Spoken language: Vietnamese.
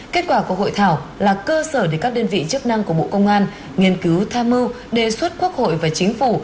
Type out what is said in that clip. kết quả của hội thảo là cơ sở để các đơn vị chức năng của bộ công an nghiên cứu tham mưu đề xuất quốc hội và chính phủ